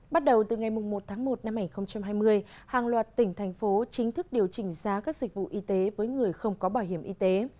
bắt đầu từ ngày một tháng một năm hai nghìn hai mươi hàng loạt tỉnh thành phố chính thức điều chỉnh giá các dịch vụ y tế với người không có bảo hiểm y tế